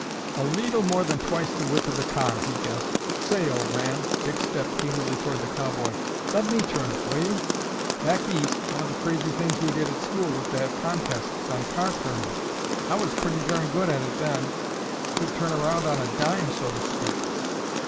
"A leetle more than twice the width of the car," he guessed. "Say, old man," Dick stepped eagerly toward the cowboy, "let me turn it, will you? Back East, one of the crazy things we did at school was to have contests on car turning. I was pretty durn good at it then. Could turn around on a dime, so to speak."